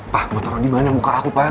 pak mau taruh dimana muka aku pak